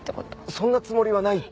そんなつもりはないって！